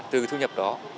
từ thu nhập đó